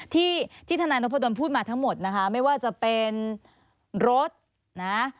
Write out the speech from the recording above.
ที่ที่ทนายนพดลพูดมาทั้งหมดนะคะไม่ว่าจะเป็นรถนะ